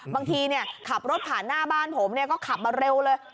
ขับรถผ่านหน้าบ้านผมก็ขับมาเร็วเลย